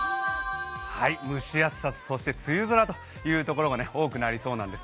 蒸し暑さと梅雨空というところが多くなりそうです。